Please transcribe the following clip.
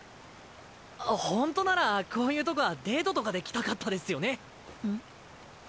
ほんとならこういうとこはデートとかで来たかったですよね。